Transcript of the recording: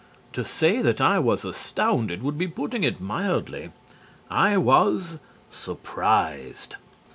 To say that I was astounded would be putting it mildly. I was surprised.